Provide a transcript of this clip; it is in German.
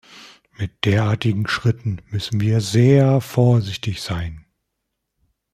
Mit derartigen Schritten müssen wir sehr vorsichtig sein.